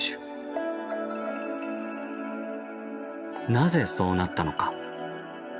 なぜそうなったのか。